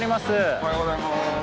おはようございます。